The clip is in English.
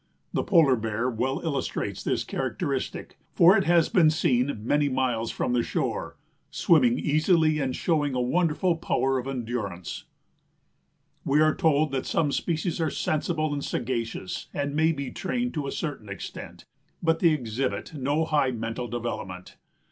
The Polar Bear well illustrates this characteristic, for it has been seen many miles from the shore, swimming easily and showing a wonderful power of endurance. We are told that "some species are sensible and sagacious and may be trained to a certain extent; but they exhibit no high mental development.